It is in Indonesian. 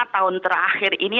lima tahun terakhir ini